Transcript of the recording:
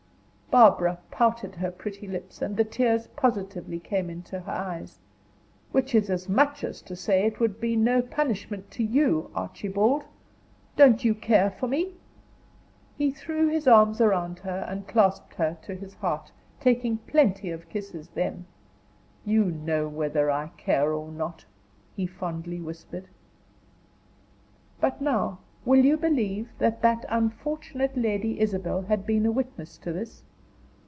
Barbara pouted her pretty lips, and the tears positively came into her eyes. "Which is as much as to say it would be no punishment to you. Archibald, don't you care for me?" He threw his arms around her and clasped her to his heart, taking plenty of kisses then. "You know whether I care not," he fondly whispered. But now, will you believe that that unfortunate Lady Isabel had been a witness to this?